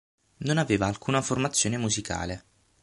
Non aveva alcuna formazione musicale.